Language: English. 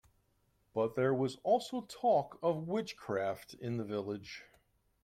But there was also talk of witchcraft in the village.